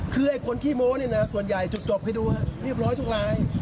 คือไอ้คนขี้โม้นี่นะส่วนใหญ่จุดจบให้ดูเรียบร้อยทุกราย